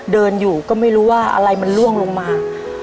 เดินอยู่ก็ไม่รู้ว่าอะไรมันล่วงลงมา